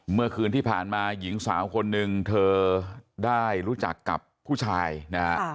เมื่อคืนที่ผ่านมาหญิงสาวคนหนึ่งเธอได้รู้จักกับผู้ชายนะฮะ